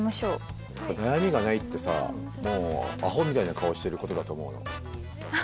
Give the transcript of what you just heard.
やっぱ悩みがないってさあもうアホみたいな顔してることだと思うの。